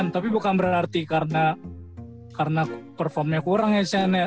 tapi bukan berarti karena performanya kurang ya